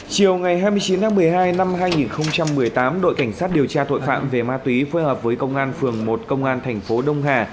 chiều ngày hai mươi chín tháng một mươi hai năm hai nghìn một mươi tám đội cảnh sát điều tra tội phạm về ma túy phối hợp với công an phường một công an thành phố đông hà